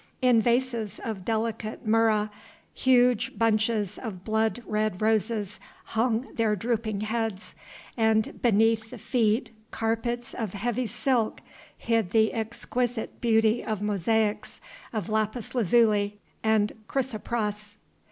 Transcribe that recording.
In vases of delicate murra huge bunches of blood red roses hung their drooping heads, and beneath the feet carpets of heavy silk hid the exquisite beauty of mosaics of lapis lazuli and chrysoprase.